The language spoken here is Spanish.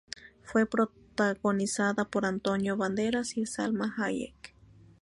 Fue protagonizada por Antonio Banderas y Salma Hayek.